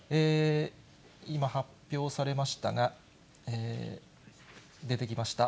今発表されましたが、出てきました。